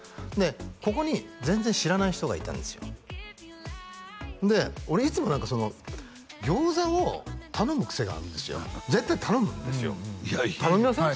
ここに全然知らない人がいたんですよで俺いつも餃子を頼むクセがあるんですよ絶対頼むんですよ頼みません？